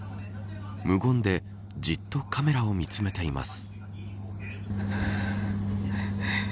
無言で、じっとカメラを見つめています。